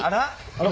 あら？